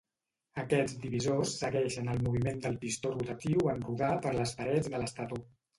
Aquests divisors segueixen el moviment del pistó rotatiu en rodar per les parets de l'estator.